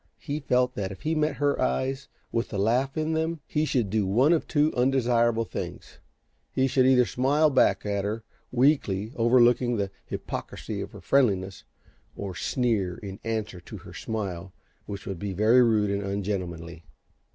He felt that, if he met her eyes with the laugh in them he should do one of two undesirable things: he should either smile back at her, weakly overlooking the hypocrisy of her friendliness, or sneer in answer to her smile, which would be very rude and ungentlemanly.